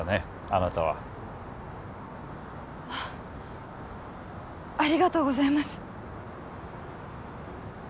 あなたはあっありがとうございます